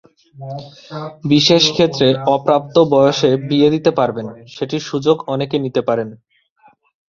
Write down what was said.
বিশেষ ক্ষেত্রে অপ্রাপ্ত বয়সে বিয়ে দিতে পারবেন—সেটির সুযোগ অনেকে নিতে পারেন।